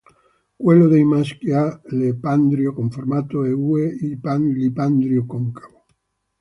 Quello dei maschi ha l'epandrio conformato a U e l'ipandrio concavo.